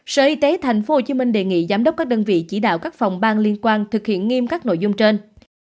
sở y tế tp hcm đề nghị giám đốc các đơn vị chỉ đạo các phòng ban liên quan thực hiện nghiêm các nội dung trên